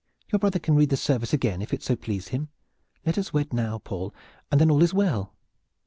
Your brother can read the service again if it so please him. Let us wed now, Paul, and then all is well."